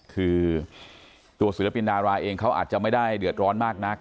คือตัวศิลปินดาราเองเขาอาจจะไม่ได้เดือดร้อนมากนัก